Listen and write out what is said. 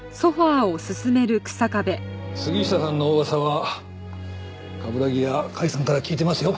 杉下さんのお噂は冠城や甲斐さんから聞いてますよ。